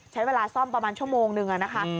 ใช้เวลาซ่อมประมาณชั่วโมงนึงนะคะ